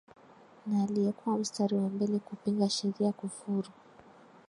na aliyekuwa mstari wa mbele kupinga sheria kufuru